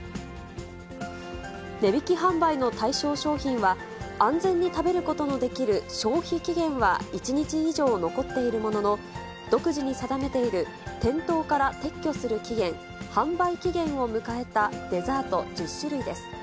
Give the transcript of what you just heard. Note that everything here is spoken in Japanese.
値引き販売の対象商品は、安全に食べることのできる消費期限は１日以上残っているものの、独自に定めている店頭から撤去する期限、販売期限を迎えたデザート１０種類です。